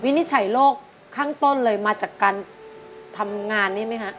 นิจฉัยโรคข้างต้นเลยมาจากการทำงานนี่ไหมฮะ